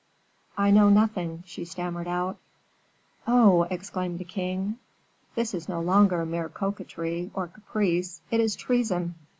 "I know nothing," she stammered out. "Oh!" exclaimed the king, "this is no longer mere coquetry, or caprice, it is treason."